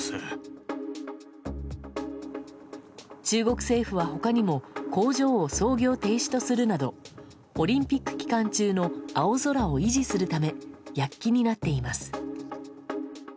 中国政府は他にも工場を操業停止とするなどオリンピック期間中の青空を維持するためやっきになっています。